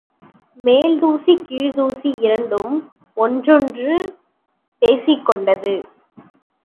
மேல்தூசி, கீழ்தூசி இரண்டும் ஒன்றோடொன்று பேசிக்கொண்டது.